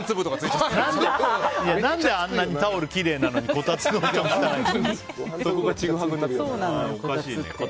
何であんなにタオルきれいなのにこたつ汚いの。